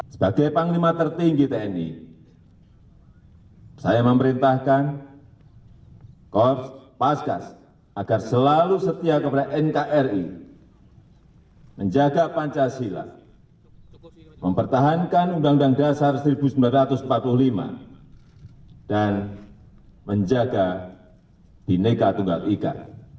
sebagai panglima tertinggi tni saya memerintahkan korps paskas agar selalu setia kepada nkri menjaga pancasila mempertahankan undang undang dasar seribu sembilan ratus empat puluh lima dan menjaga bineka tunggal ika